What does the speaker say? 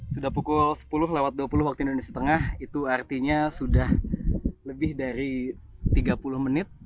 sudah pukul sepuluh dua puluh wib itu artinya sudah lebih dari tiga puluh menit